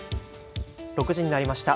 ６時になりました。